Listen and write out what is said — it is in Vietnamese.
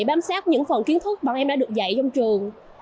bám sát những phần kiến thức bọn em đã được dạy trong trường